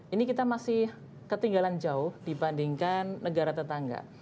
ini kita masih ketinggalan jauh dibandingkan negara tetangga